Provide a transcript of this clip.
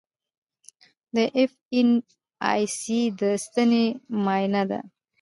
د ایف این ای سي د ستنې معاینه ده.